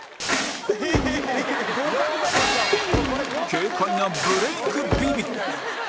軽快なブレイクビビリ